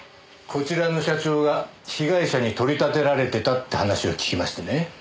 こちらの社長が被害者に取り立てられてたって話を聞きましてね。